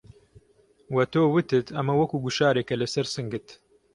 وە تۆ وتت ئەمە وەکوو گوشارێکه لەسەر سنگت